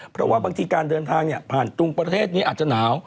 เพราะว่าบางทีการเดินทางผ่านตรงประเทศนี้อาจจะหนาว